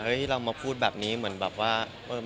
เรามาพูดแบบนี้เหมือนแบบว่า